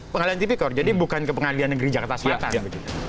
pengadilan tipikor jadi bukan ke pengadilan negeri jakarta selatan